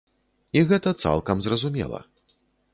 І гэта цалкам зразумела.